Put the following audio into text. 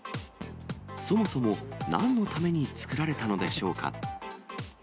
そもそもなんのために作られたのでしょうか。